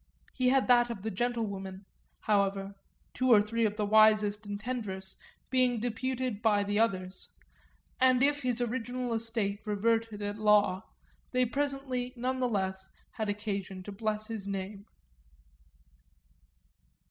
He had that of the gentlewomen, however, two or three of the wisest and tenderest being deputed by the others; and if his original estate reverted at law they presently none the less had occasion to bless his name.